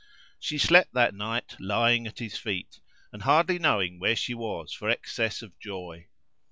She slept that night lying at his feet and hardly knowing where she was for excess of joy.